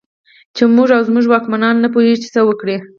چې موږ او زموږ واکمنان نه پوهېږي چې څه وکړي.